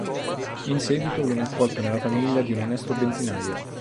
In seguito viene accolto nella famiglia di un onesto benzinaio.